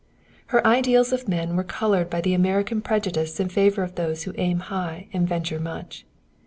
Her ideals of men were colored by the American prejudice in favor of those who aim high and venture much.